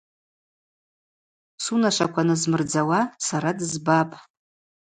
Сунашваква назмырдзауа сара дызбапӏ.